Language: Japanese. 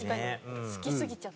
好きすぎちゃった。